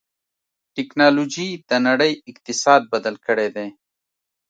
ټکنالوجي د نړۍ اقتصاد بدل کړی دی.